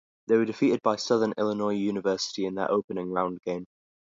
They were defeated by Southern Illinois University in their opening round game.